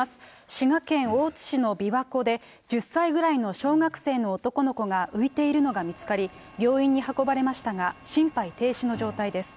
滋賀県大津市の琵琶湖で、１０歳ぐらいの小学生の男の子が浮いているのが見つかり、病院に運ばれましたが、心肺停止の状態です。